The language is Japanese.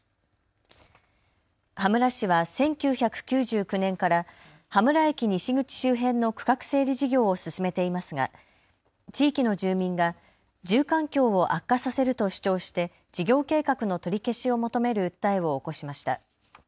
羽村市は１９９９年から羽村駅西口周辺の区画整理事業を進めていますが地域の住民が住環境を悪化させると主張して事業計画の取り消しを求める訴えを起こしました。